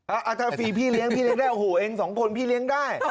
ถ้าฟรีพี่เลี้ยพี่เลี้ยได้โอ้โหเองสองคนพี่เลี้ยงได้